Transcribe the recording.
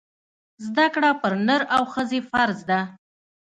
زده کړه پر نر او ښځي فرځ ده